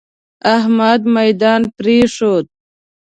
احمد ميدان پرېښود.